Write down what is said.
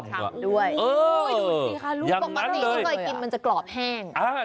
ด้วยดูสิค่ะรูปของมันนี่ที่เคยกินมันจะกรอบแห้ง